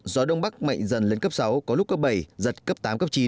gió đông bắc mạnh dần lên cấp sáu có lúc cấp bảy giật cấp tám cấp chín